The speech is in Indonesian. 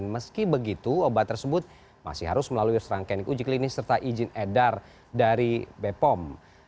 meski begitu obat tersebut masih harus melalui serangkaian uji klinis serta izin edar dari bepom